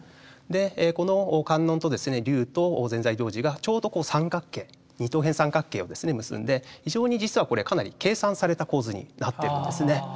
この観音と龍と善財童子がちょうど三角形二等辺三角形を結んで非常に実はこれかなり計算された構図になってるんですね。